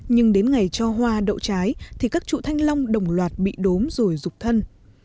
nhưng đến ngày cho hoa đậu trái thì các trụ thanh long đồng loạt bị đốm rồi rục thân